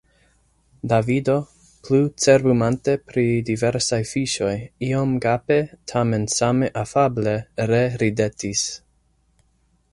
Davido, plu cerbumante pri diversaj fiŝoj, iom gape tamen same afable reridetis.